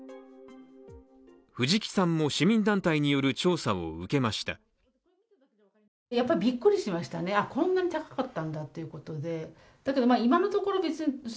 藤木さんも、市民団体による調査を受けました。